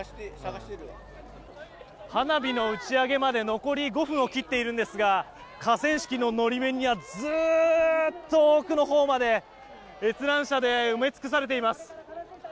花火の打ち上げまで残り５分を切っているんですが河川敷の法面はずっと奥のほうまで閲覧者で埋め尽くされています。